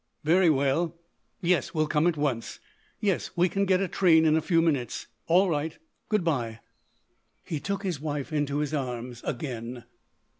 Very well.... Yes, we'll come at once.... Yes, we can get a train in a few minutes.... All right. Good bye." He took his wife into his arms again.